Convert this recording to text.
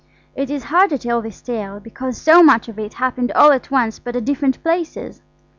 It is hard to tell this tale, because so much of it happened all at once but at different places.